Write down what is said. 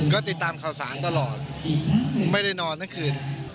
ก็ติดตามข่าวสารตลอดไม่ได้นอนทั้งคืน